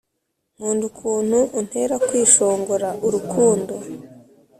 nkunda ukuntu untera kwishongora urukundo